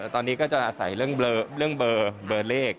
ตอนนี้ก็จะอาศัยเรื่องเบอร์เลข